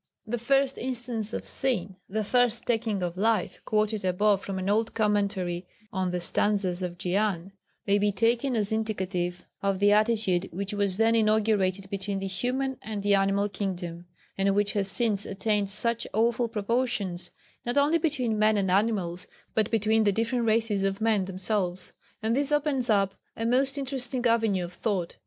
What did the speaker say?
] The first instance of sin, the first taking of life quoted above from an old commentary on the stanzas of Dzyan, may be taken as indicative of the attitude which was then inaugurated between the human and the animal kingdom, and which has since attained such awful proportions, not only between men and animals, but between the different races of men themselves. And this opens up a most interesting avenue of thought.